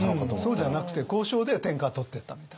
そうじゃなくて交渉で天下を取ってったみたい。